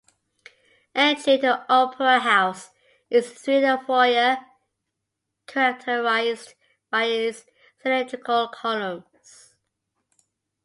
Entry to the opera house is through a foyer, characterised by its cylindrical columns.